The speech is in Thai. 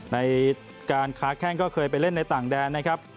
ในการค้าแข้งก็เคยไปเล่นในต่างแดนนะครับ